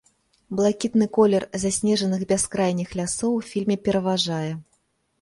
Блакітны колер заснежаных бяскрайніх лясоў у фільме пераважае.